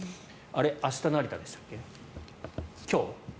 明日、成田でしたっけ？